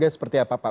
seperti apa pak